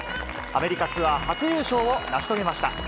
アメリカツアー初優勝を成し遂げました。